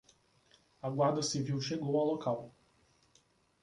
A Guarda Civil chegou ao local